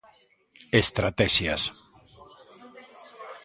Estratexias.